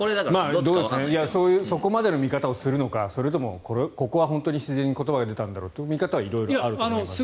そこまでの見方をするのかそれともここは本当に自然に言葉が出たんだろうと思うのかは色々あると思います。